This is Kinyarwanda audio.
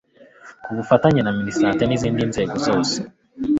ku bufatanye na MINISANTE n izindi nzego zose